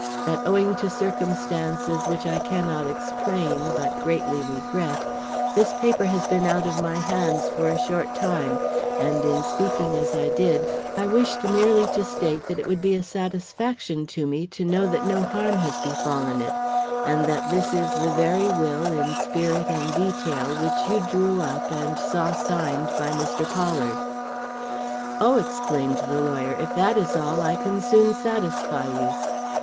That owing to circumstances which I cannot explain, but greatly regret, this paper has been out of my hands for a short time, and in speaking as I did, I wished merely to state that it would be a satisfaction to me to know that no harm has befallen it, and that this is the very will in spirit and detail which you drew up and saw signed by Mr. Pollard." "Oh," exclaimed the lawyer, "if that is all, I can soon satisfy you."